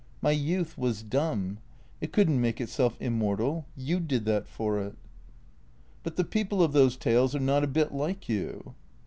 " My youth was dumb. It could n't make itself immortal. You did that for it." " But the people of those tales are not a bit like you."